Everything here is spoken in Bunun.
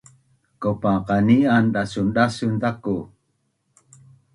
Kaupa qani’an dasundasun ku